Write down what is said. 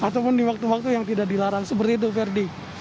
ataupun di waktu waktu yang tidak dilarang seperti itu ferdi